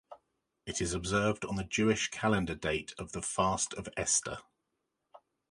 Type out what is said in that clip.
It is observed on the Jewish calendar date of the Fast of Esther.